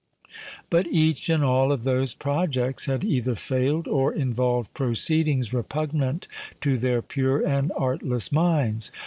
But each and all of those projects had either failed, or involved proceedings repugnant to their pure and artless minds.